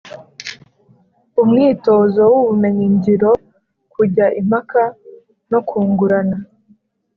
Umwitozo w ubumenyingiro kujya impaka no kungurana